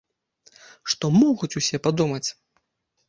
Што могуць усе падумаць!